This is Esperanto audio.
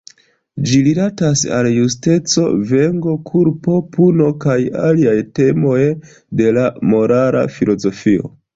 Ĝi rilatas al justeco, venĝo, kulpo, puno kaj aliaj temoj de la morala filozofio.